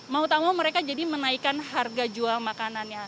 mau tak mau mereka jadi menaikkan harga jual makanannya